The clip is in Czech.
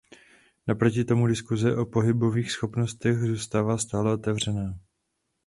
Naproti tomu diskuse o pohybových schopnostech zůstává stále otevřená.